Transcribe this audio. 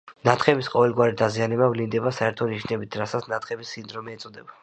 ნათხემის ყოველგვარი დაზიანება ვლინდება საერთო ნიშნებით, რასაც ნათხემის სინდრომი ეწოდება.